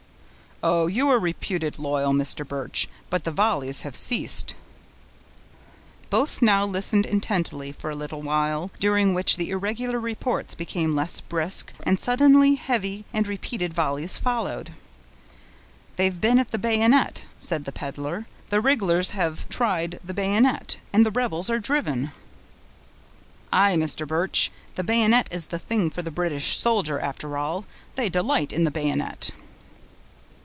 "Oh! you are reputed loyal, Mr. Birch. But the volleys have ceased!" Both now listened intently for a little while, during which the irregular reports became less brisk, and suddenly heavy and repeated volleys followed. "They've been at the bayonet," said the peddler; "the rig'lars have tried the bayonet, and the rebels are driven." "Aye, Mr. Birch, the bayonet is the thing for the British soldier, after all. They delight in the bayonet!"